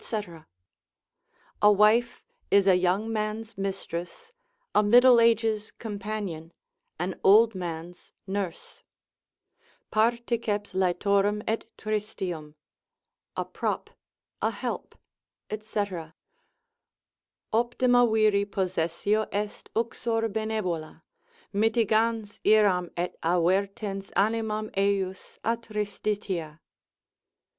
A wife is a young man's mistress, a middle age's companion, an old man's nurse: Particeps laetorum et tristium, a prop, a help, &c. Optima viri possessio est uxor benevola, Mitigans iram et avertens animam ejus a tristitia.